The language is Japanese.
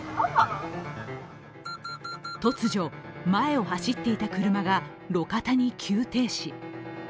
突如、前を走っていた車が路肩に急停止。